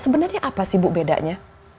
sebenarnya apa sih bu bedanya